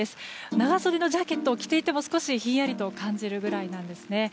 長袖のジャケットを着ていても少しひんやりと感じるぐらいなんですね。